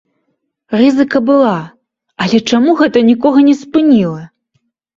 Рызыка была, але чаму гэта нікога не спыніла?